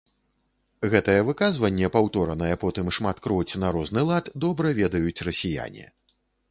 Гэтае выказванне, паўторанае потым шматкроць на розны лад, добра ведаюць расіяне.